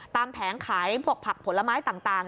ตามแผงขายผลักผลไม้ต่าง